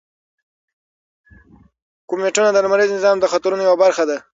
کومیټونه د لمریز نظام د خطرونو یوه برخه ده.